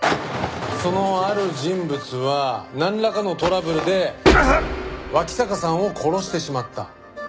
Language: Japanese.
そのある人物はなんらかのトラブルで脇坂さんを殺してしまった。